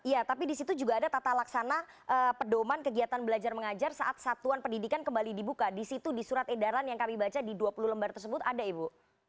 iya tapi disitu juga ada tata laksana pedoman kegiatan belajar mengajar saat satuan pendidikan kembali dibuka di situ di surat edaran yang kami baca di dua puluh lembar tersebut ada ibu